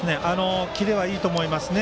キレはいいと思いますね。